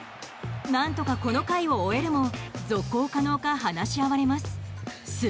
何とかこの回を終えるも続行可能か話し合われます。